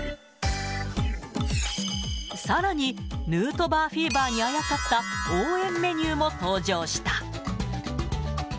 さらに、ヌートバーフィーバーにあやかった応援メニューも登場した。